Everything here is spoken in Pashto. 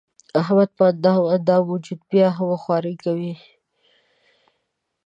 احمد په اندام اندام وجود بیا هم خواري کوي.